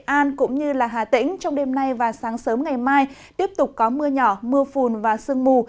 an cũng như hà tĩnh trong đêm nay và sáng sớm ngày mai tiếp tục có mưa nhỏ mưa phùn và sương mù